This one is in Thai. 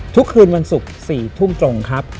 ทุกคืนวันศุกร์๔ทุ่มตรงครับ